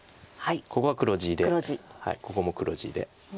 ここが黒地でここも黒地で。